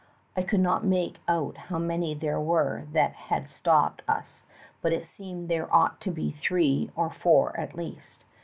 I could not make out how many there were that had stopped us, but it seemed that there ought to be three or four at least.